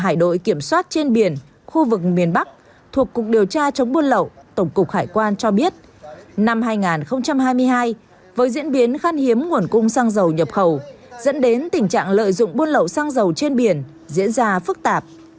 hải đội kiểm soát trên biển khu vực miền bắc thuộc cục điều tra chống buôn lậu tổng cục hải quan cho biết năm hai nghìn hai mươi hai với diễn biến khăn hiếm nguồn cung xăng dầu nhập khẩu dẫn đến tình trạng lợi dụng buôn lậu xăng dầu trên biển diễn ra phức tạp